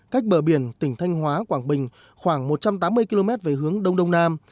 cách bờ biển tỉnh thanh hóa quảng bình khoảng một trăm tám mươi km về hướng đông đông nam